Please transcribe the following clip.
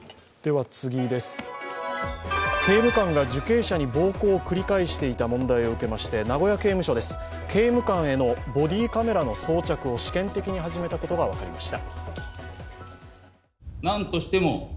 刑務官が受刑者に暴行を繰り返していた問題を受けまして、名古屋刑務所です、刑務官へのボディーカメラの装着を試験的に始めたことが分かりました。